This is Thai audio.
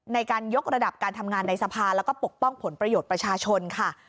ในการยกระดับการทำงานในสภาแล้วก็ปกป้องผลประโยชน์ประชาชนค่ะ